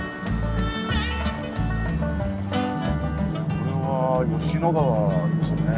これは吉野川ですね。